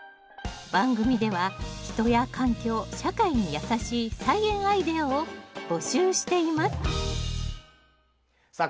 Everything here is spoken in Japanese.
番組では人や環境社会にやさしい菜園アイデアを募集していますさあ